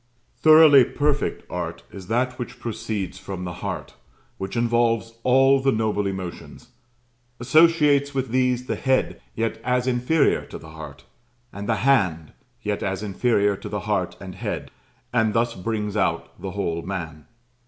Thoroughly perfect art is that which proceeds from the heart, which involves all the noble emotions; associates with these the head, yet as inferior to the heart; and the hand, yet as inferior to the heart and head; and thus brings out the whole man.